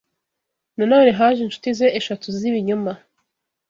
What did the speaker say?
Nanone haje incuti ze eshatu z’ibinyoma